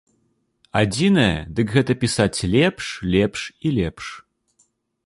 Адзінае, дык гэта пісаць лепш, лепш і лепш.